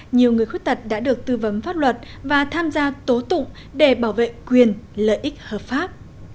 nhiều người khuyết tật đã được tư vấn pháp luật và tham gia tố tụng để bảo vệ quyền lợi ích hợp pháp